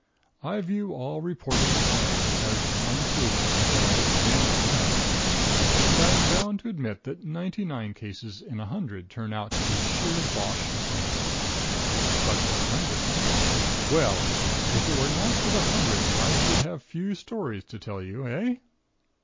I view all reported 'hauntings' as unproven until I have examined into them, and I am bound to admit that ninety nine cases in a hundred turn out to be sheer bosh and fancy. But the hundredth! Well, if it were not for the hundredth, I should have few stories to tell you eh?